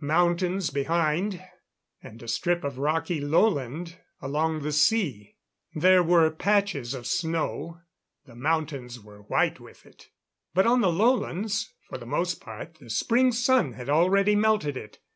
Mountains behind, and a strip of rocky lowland along the sea. There were patches of snow the mountains were white with it; but on the lowlands, for the most part the Spring sun had already melted it.